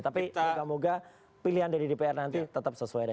tapi semoga pilihan dari dpr nanti tetap sesuai dengan